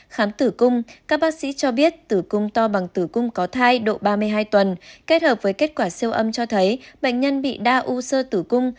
khám tử cung các bác sĩ cho biết tử cung to bằng tử cung có thai độ ba mươi hai tuần kết hợp với kết quả siêu âm cho thấy bệnh nhân bị đa u sơ tử cung